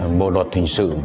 một luật hình sự